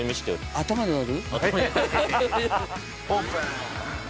頭で割る？